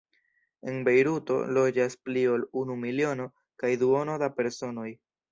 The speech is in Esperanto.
En Bejruto loĝas pli ol unu miliono kaj duono da personoj.